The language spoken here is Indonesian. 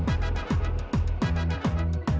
ya ini salah aku